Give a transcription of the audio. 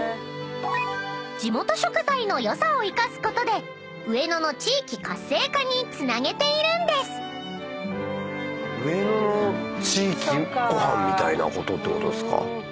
［地元食材の良さを生かすことで上野の地域活性化につなげているんです］みたいなことってことですか。